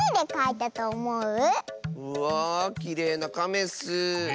うわきれいなカメッス。